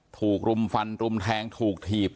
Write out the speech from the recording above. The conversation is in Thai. ถูกรุมฟันรุมแทงถูกถีบ